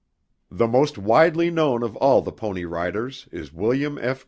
The most widely known of all the pony riders is William F.